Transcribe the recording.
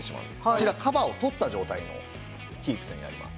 こちらカバーを取った状態のＫｅｅｐｓになります。